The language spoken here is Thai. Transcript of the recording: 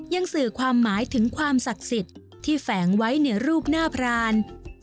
สื่อความหมายถึงความศักดิ์สิทธิ์ที่แฝงไว้ในรูปหน้าพราน